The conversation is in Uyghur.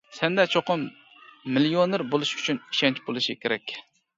سەندە چوقۇم مىليونېر بولۇش ئۈچۈن ئىشەنچ بولۇشى كېرەك.